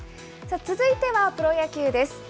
続いてはプロ野球です。